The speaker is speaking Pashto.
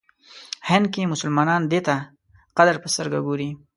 هند کې مسلمانان دی ته قدر په سترګه ګوري.